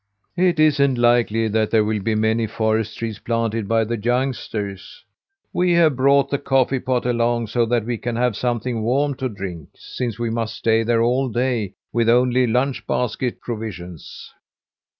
"It isn't likely that there will be many forest trees planted by the youngsters. We have brought the coffee pot along so that we can have something warm to drink, since we must stay there all day with only lunch basket provisions."